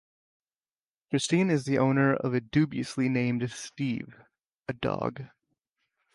Christine is the owner of the dubiously named Steve, a dog.